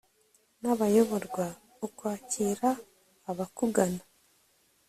n'abayoborwa, ukwakira abakugana